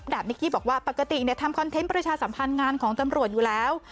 นิกกี้บอกว่าปกติทำคอนเทนต์ประชาสัมพันธ์งานของตำรวจอยู่แล้ว